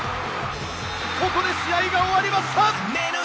ここで試合が終わりました。